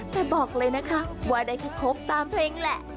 แต่บอกเลยนะคะว่าได้แค่ครบตามเพลงแหละ